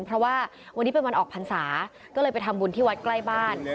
เพราะว่าวันนี้เป็นวันออกพรรษาก็เลยไปทำบุญที่วัดใกล้บ้าน